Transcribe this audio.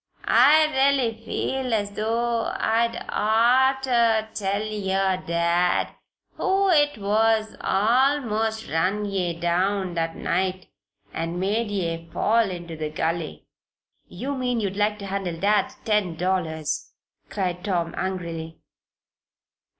"I r'ally feel as though I'd oughter tell yer dad who it was almost run ye down that night and made ye fall into the gully." "You mean, you'd like to handle Dad's ten dollars!" cried Tom, angrily.